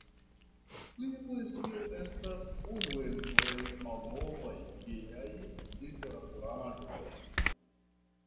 Lia poezio estas unu el plej malnovaj gejaj literaturaĵoj.